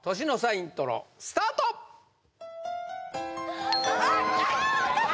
イントロスタート・あっ分かった！